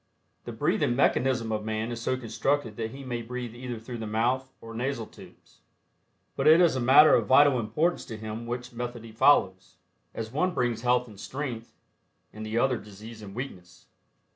The breathing mechanism of Man is so constructed that he may breathe either through the mouth or nasal tubes, but it is a matter of vital importance to him which method he follows, as one brings health and strength and the other disease and weakness.